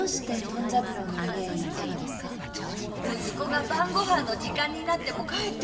息子が晩ごはんの時間になっても帰ってこなくて。